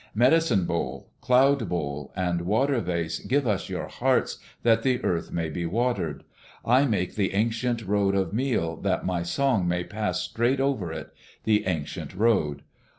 Medicine bowl, cloud bowl, and water vase give us your hearts, that the earth may be watered. I make the ancient road of meal that my song may pass straight over it the ancient road.